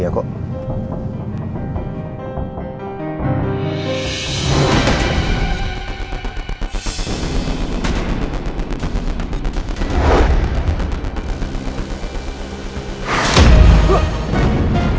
bisa nggak divergence nanya